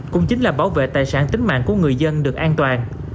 cũng chính là bảo vệ tài sản tính mạng của người dân được an toàn